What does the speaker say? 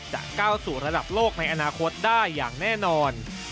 จะก้าวสู่ระดับโลกในอนาคตได้อย่างแน่นอน